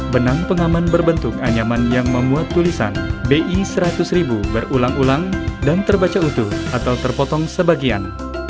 benang pengaman berbentuk anyaman yang memuat tulisan bi seratus ribu berulang ulang dan terbaca utuh atau terpotong sebagian